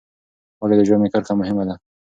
ولې د ژامې کرښه مهمه ده؟